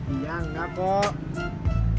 iya enggak kok